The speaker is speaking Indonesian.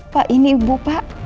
pak ini ibu pak